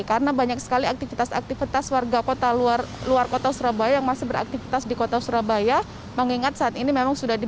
karena banyak sekali aktivitas yang berada di sana